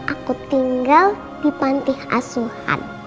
aku tinggal di panti asuhan